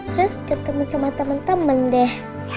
terus ketemu sama temen temen deh